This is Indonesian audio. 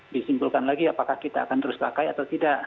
disimpulkan lagi apakah kita akan terus pakai atau tidak